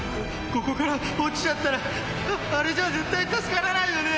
ここから落ちちゃったら、あれじゃ絶対助からないよね。